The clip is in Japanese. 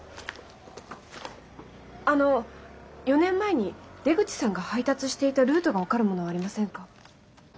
あの４年前に出口さんが配達していたルートが分かるものはありませんか？